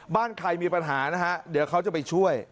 บ้านใครมีปัญหานะฮะเดี๋ยวเขาจะไปช่วย